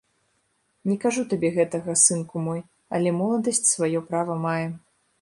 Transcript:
Не кажу табе гэтага, сынку мой, але моладасць сваё права мае.